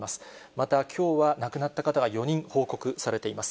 またきょうは亡くなった方が４人報告されています。